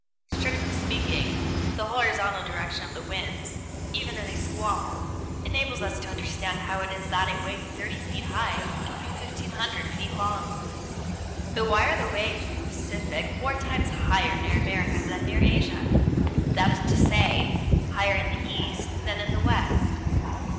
Strictly speaking, the horizontal direction of the winds, even in a squall, enables us to understand how it is that a wave 30 feet high can be 1,500 feet long. But why are the waves of the Pacific four times higher near America than near Asia; that is to say, higher in the East than in the West?